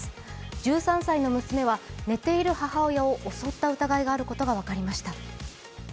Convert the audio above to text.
１３歳の娘は、寝ている母親を襲った疑いがあることが分かりました。